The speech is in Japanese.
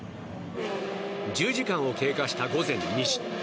１０時間を経過した午前２時。